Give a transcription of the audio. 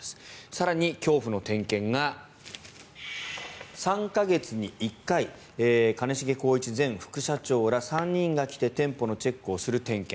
更に、恐怖の点検が３か月に１回兼重宏一前副社長ら３人が来て店舗のチェックをする点検。